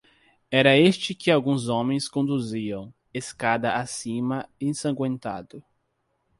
Era este que alguns homens conduziam, escada acima, ensangüentado.